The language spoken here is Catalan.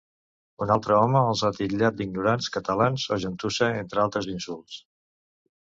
Un altre home els ha titllat d’ignorants catalans’ o ‘gentussa’, entre altres insults.